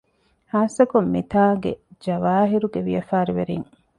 ޚާއްސަކޮށް މިތާނގެ ޖަވާހިރުގެ ވިޔަފާރިވެރީން